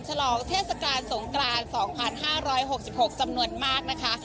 ฉลองเทศกาลสงกราน๒๕๖๖จำนวนมากนะคะ